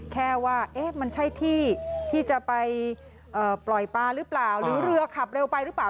แค่ว่ามันใช่ที่ที่จะไปปล่อยปลาหรือเปล่าหรือเรือขับเร็วไปหรือเปล่า